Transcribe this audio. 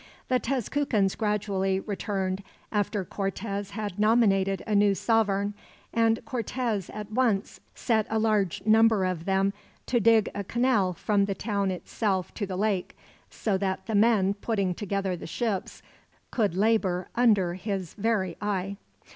The Tezcucans gradually returned after Cortez had nominated a new sovereign, and Cortez at once set a large number of them to dig a canal from the town itself to the lake, so that the men putting together the ships could labor under his very eye.